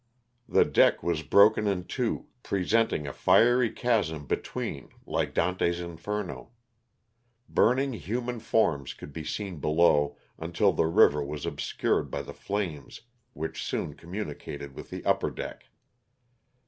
The deck was broken in two, presenting a fiery chasm between like Dante's "Inferno." Burning human forms could be seen below until the river was obscured by the flames which soon communicated with the upper deck.